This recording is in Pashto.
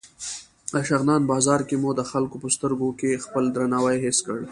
د شغنان بازار کې مو د خلکو په سترګو کې خپل درناوی حس کړ.